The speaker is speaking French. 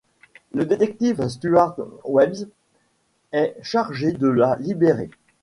Le détective Stuart Webbs est chargé de la libérer.